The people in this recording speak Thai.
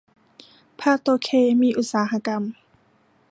พาโตเคมีอุตสาหกรรม